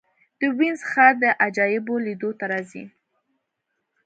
د وینز ښار د عجایبو لیدو ته راځي.